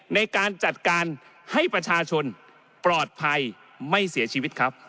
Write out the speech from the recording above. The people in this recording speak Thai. ในการจัดการให้ประชาชนปลอดภัยไม่เสียชีวิตครับ